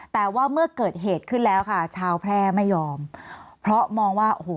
แต่ว่าเมื่อเกิดเหตุขึ้นแล้วค่ะชาวแพร่ไม่ยอมเพราะมองว่าโอ้โห